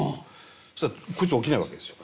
そしたらこいつは起きないわけですよ。